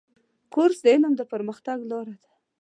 کورس د علم د پرمختګ لاره ده.